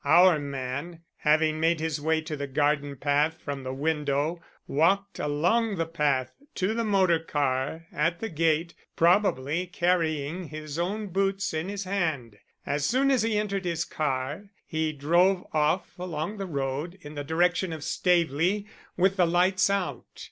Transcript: Our man, having made his way to the garden path from the window, walked along the path to the motor car at the gate, probably carrying his own boots in his hand. As soon as he entered his car he drove off along the road in the direction of Staveley with the lights out.